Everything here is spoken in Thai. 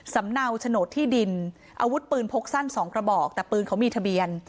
เนาโฉนดที่ดินอาวุธปืนพกสั้น๒กระบอกแต่ปืนเขามีทะเบียน